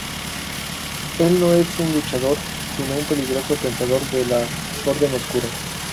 Él no es un luchador, sino un peligroso pensador de la Orden Oscura.